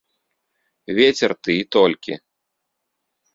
Вецер ты, і толькі.